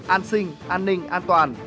an sinh an ninh an toàn